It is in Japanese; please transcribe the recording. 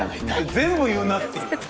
全部言うなっていう。